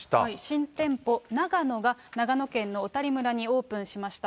新店舗、ナガノが長野県小谷村にオープンしました。